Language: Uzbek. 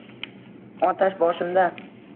Otash boshimda: